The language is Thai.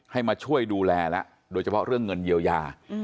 ให้มาช่วยดูแลแล้วโดยเฉพาะเรื่องเงินเยียวยา